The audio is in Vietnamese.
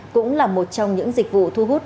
cũng là một trong những dịch vụ thu hút